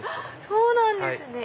そうなんですね。